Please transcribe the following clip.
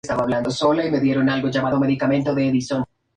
Surgió el interrogante de a quien representaba la estatuilla.